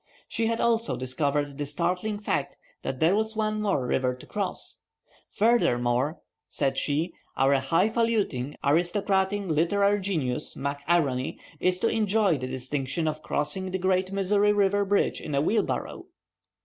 She had also discovered the startling fact that there was one more river to cross. "Furthermore," said she, "our highfaluting, aristocratic, literary genius, Mac A'Rony, is to enjoy the distinction of crossing the great Missouri River Bridge in a wheelbarrow."